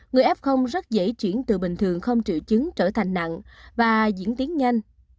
người f rất dễ chuyển từ bình thường không triệu chứng trở thành nặng và diễn tiến nhanh